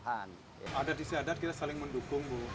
ada desa adat kita saling mendukung bu